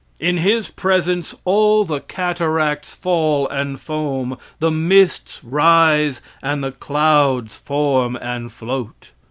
In his presence all the cataracts fall and foam, the mists rise, and the clouds form and float.